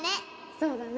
そうだね